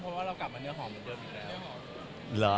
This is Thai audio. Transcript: เพราะว่าเรากลับมาเนื้อหอมเหมือนเดิมอยู่แล้ว